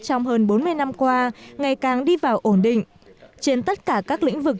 trong hơn bốn mươi năm qua ngày càng đi vào ổn định trên tất cả các lĩnh vực